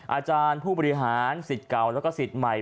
อาจารย์ผู้บริหารสิทธิ์เก่าแล้วก็สิทธิ์ใหม่